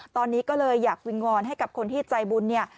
ตอนนี้ก็เลยอยากวิงวอนให้กับคนที่ใจบุญเนี่ย